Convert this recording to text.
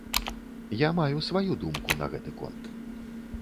Я маю сваю думку на гэты конт.